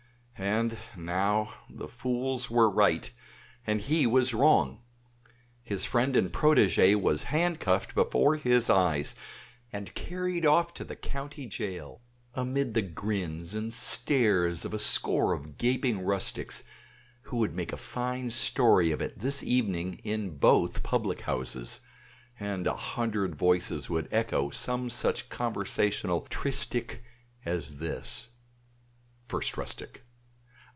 And now the fools were right and he was wrong. His friend and protege was handcuffed before his eyes and carried off to the county jail amid the grins and stares of a score of gaping rustics, who would make a fine story of it this evening in both public houses; and a hundred voices would echo some such conversational Tristich as this: 1st Rustic.